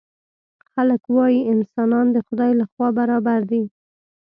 خلک وايي انسانان د خدای له خوا برابر دي.